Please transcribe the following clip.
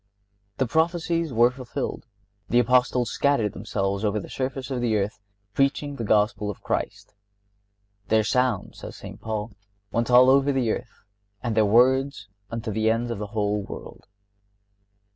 The prophecies were fulfilled. The Apostles scattered themselves over the surface of the earth, preaching the Gospel of Christ. "Their sound," says St. Paul, "went over all the earth and their words unto the ends of the whole world."